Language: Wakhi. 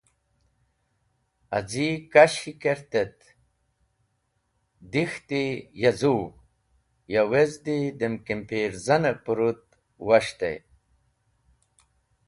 Az̃i kashi kert et dek̃hti ya zogh, ya wezdi dem kimpirzan pũrũt was̃htey.